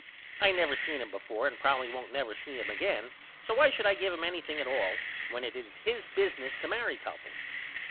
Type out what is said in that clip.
I never seen him before and probily won't never see him again so why should I give him anything at all when it is his business to marry couples?